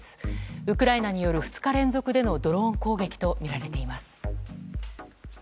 ウクライナによる２日連続でのドローン攻撃とみられています。